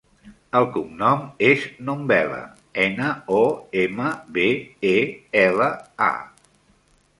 El cognom és Nombela: ena, o, ema, be, e, ela, a.